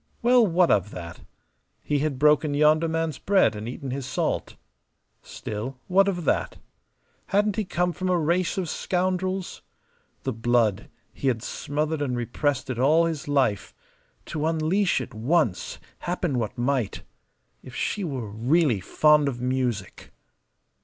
Well, what of that? He had broken yonder man's bread and eaten his salt. Still, what of that? Hadn't he come from a race of scoundrels? The blood he had smothered and repressed it all his life to unleash it once, happen what might. If she were really fond of music!